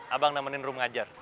abang nemenin rum ngajar